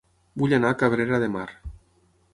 Vull anar a Cabrera de Mar